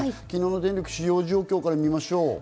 昨日の電力使用状況から見ましょう。